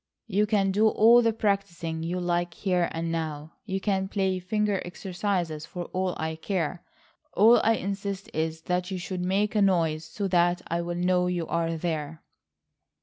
"You can do all the practising you like here and now. You can play finger exercises for all I care. All I insist is that you should make a noise so that I'll know you are there."